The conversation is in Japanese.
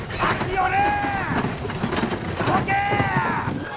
寄れ！